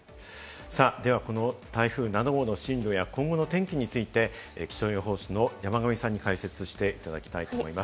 では、この台風７号の進路や今後の天気について、気象予報士の山神さんに解説していただきます。